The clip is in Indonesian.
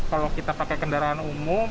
kalau kita pakai kendaraan umum